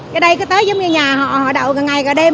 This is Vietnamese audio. cái đây cứ tới giống như nhà họ họ đậu cả ngày cả đêm